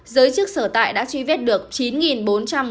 giới chức sở tại đã truy vết được chín bốn trăm một mươi chín triệu